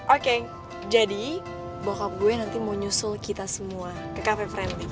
oke jadi bahwa gue nanti mau nyusul kita semua ke cafe friendly